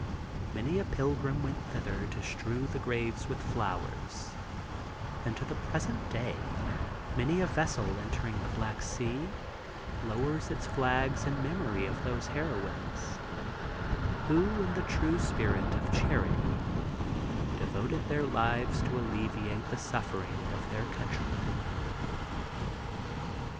Many a pilgrim went thither to strew the graves with flowers; and to the present day many a vessel entering the Black Sea lowers its flag in memory of those heroines, who in the true spirit of charity devoted their lives to alleviate the suffering of their countrymen.